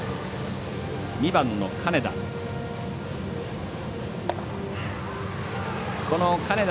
２番の金田。